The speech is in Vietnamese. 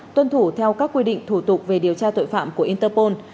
tuân thủ theo các quy định thủ tục về điều tra tội phạm của interpol